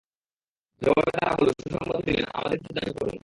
জবাবে তারা বলল, সুসংবাদ তো দিলেন, আমাদেরকে কিছু দান করুন।